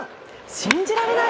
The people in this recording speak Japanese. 信じられない！